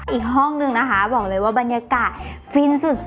อีกห้องนึงนะคะบอกเลยว่าบรรยากาศฟินสุด